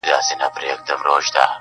تورې موږ وکړې ګټه تا پورته کړه,